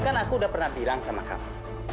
kan aku udah pernah bilang sama kamu